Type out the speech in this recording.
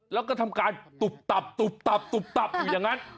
แล้วก็ทำการตุบตับอย่างนั้น